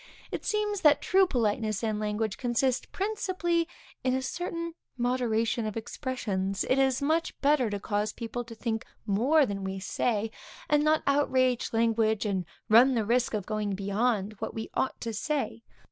It seems that true politeness in language consists principally in a certain moderation of expressions. It is much better to cause people to think more than we say, and not outrage language, and run the risk of going beyond what we ought to say.